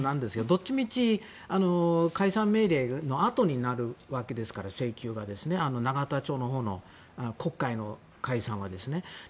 どっちみち解散命令のあとになるわけですから永田町のほうの国会の解散は。